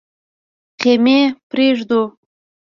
خېمې پرېږدو.